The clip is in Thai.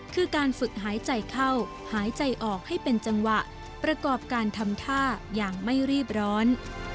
คือการฝึกหายใจเข้าหายใจออกให้เป็นจังหวะประกอบการทำท่าอย่างไม่รีบร้อน